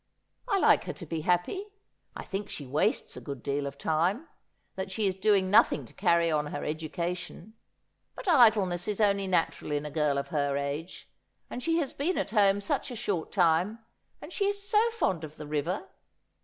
' I like her to be happy. I think she wastes a good deal of time ; that she is doing no thing to carry on her education ; but idleness is only natural in a girl of her age, and she has been at home such a short time, and she is so fond of the river.'